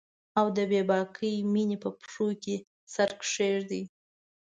او د بې باکې میینې په پښو کې سر کښیږدي